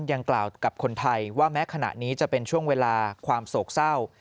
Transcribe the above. ยังกล่าวกับคนไทยว่าแม้ขณะนี้จะเป็นช่วงเวลาความโศกเศร้า